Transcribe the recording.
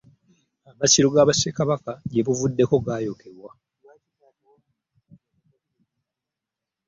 Amasiro ga ba Ssekabaka ba Buganda gye buvuddeko gaayokebwa.